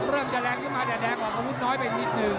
เริ่มจะแรงขึ้นมาแดดแดดกว่าวุ้นน้อยไปนิดนึง